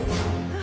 あ！